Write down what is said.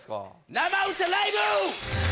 生歌ライブ！